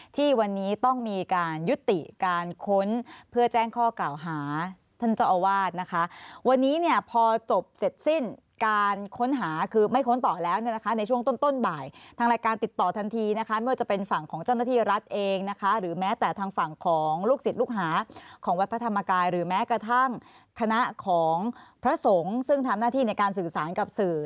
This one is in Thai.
ที่วันนี้ต้องมีการยุติการค้นเพื่อแจ้งข้อกล่าวหาท่านเจ้าอาวาสนะคะวันนี้เนี่ยพอจบเสร็จสิ้นการค้นหาคือไม่ค้นต่อแล้วเนี่ยนะคะในช่วงต้นต้นบ่ายทางรายการติดต่อทันทีนะคะไม่ว่าจะเป็นฝั่งของเจ้าหน้าที่รัฐเองนะคะหรือแม้แต่ทางฝั่งของลูกศิษย์ลูกหาของวัดพระธรรมกายหรือแม้กระทั่งคณะของพระสงฆ์ซึ่งทำหน้าที่ในการสื่อสารกับสื่อ